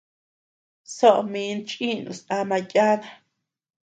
Soʼö min chìnus ama yana.